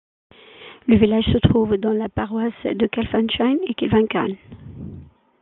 Le village se trouve dans la paroisse de Kilfinichen et Kilvickeon.